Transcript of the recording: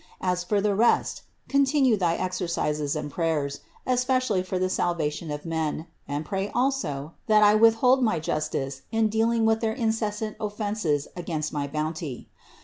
As for the rest, continue thy exercises and prayers, especially for the salvation of men, and pray also, that I withhold my justice in dealing with their incessant of fenses against my bounty.